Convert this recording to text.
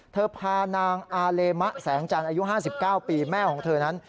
เธอพานางอาเลมะแสงจันทร์อายุ๕๙ปีแม่ของเธอนั้น